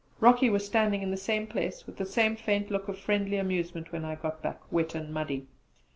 Rocky was standing in the same place with the same faint look of friendly amusement when I got back, wet and muddy.